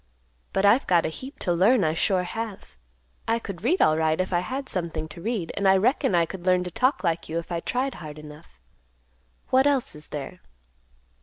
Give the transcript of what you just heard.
But I've got a heap to learn, I sure have. I could read alright, if I had something to read, and I reckon I could learn to talk like you if I tried hard enough. What else is there?"